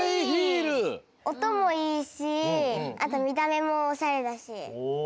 おともいいしあとみためもおしゃれだし。